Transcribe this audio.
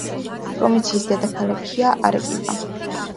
პროვინციის დედაქალაქია არეკიპა.